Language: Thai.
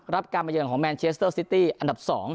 รับการมาเยินของแมนเชสเตอร์ซิตี้อันดับ๒